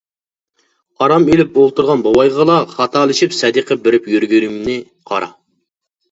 ئارام ئېلىپ ئولتۇرغان بوۋايغىلا خاتالىشىپ سەدىقە بېرىپ يۈرگىنىمنى قارا!